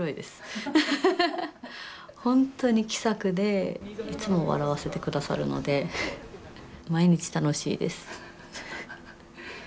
本当に気さくでいつも笑わせてくださるので毎日楽しいです。